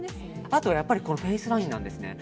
あとは、フェイスラインなんです。